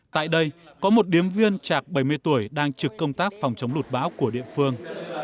tại đây có một điếm viên trạc bảy mươi tuổi đang trực công tác phòng chống lụt bão của địa phương